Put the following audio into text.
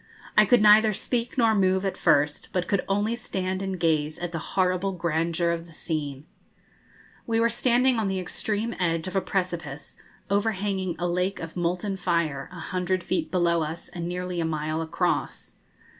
I could neither speak nor move at first, but could only stand and gaze at the horrible grandeur of the scene. We were standing on the extreme edge of a precipice, overhanging a lake of molten fire, a hundred feet below us, and nearly a mile across.